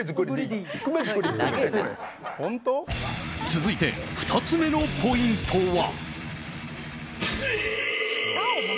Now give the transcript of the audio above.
続いて、２つ目のポイントは。